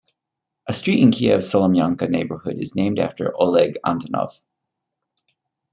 A street in Kiev's Solomyanka neighborhood is named after Oleg Antonov.